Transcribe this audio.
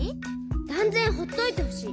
だんぜんほっといてほしい。